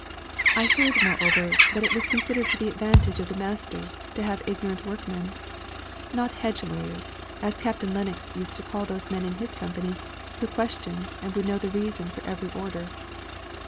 "I heard, moreover, that it was considered to the advantage of the masters to have ignorant workmen not hedge lawyers, as Captain Lennox used to call those men in his company who questioned and would know the reason for every order."